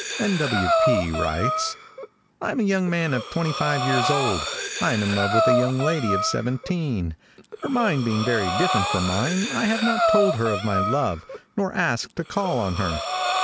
|N. W. P., writes: "I am a young man twenty five years old. I am in love with a young lady of seventeen. Her mind being very different from mine, I have not told her of my love, nor asked to call on her.